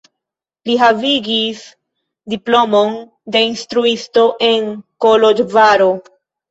Li havigis diplomon de instruisto en Koloĵvaro.